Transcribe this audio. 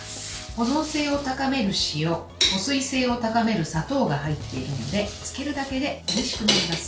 保存性を高める塩保水性を高める砂糖が入っているので漬けるだけで、おいしくなります。